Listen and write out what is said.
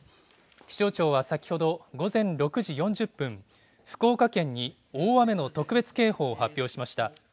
気象庁は先ほど午前６時４０分、福岡県に大雨の特別警報を発表しました。